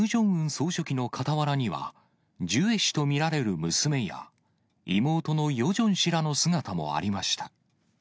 総書記の傍らには、ジュエ氏と見られる娘や、妹のヨジョン氏らの姿もありました。